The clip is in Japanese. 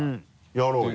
やろうよ。